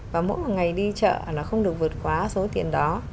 và mỗi ngày đi chợ là không được vượt quá số tiền đó